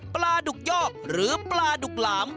ปลาดุกยอกหรือปลาดุกหลาม